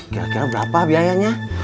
kira kira berapa biayanya